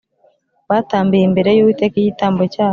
batambiye imbere y Uwiteka igitambo cyabo